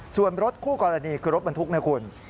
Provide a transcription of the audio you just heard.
ส่วนรถคู่กรณีคือรถบรรทุกนะคุณ